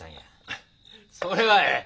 ふっそれはええ！